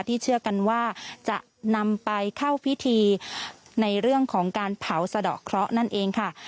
เชื่อกันว่าจะนำไปเข้าพิธีในเรื่องของการเผาสะดอกเคราะห์นั่นเองค่ะ